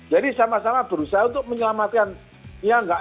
jadi sama sama berusaha untuk menyelamatkan ya nggak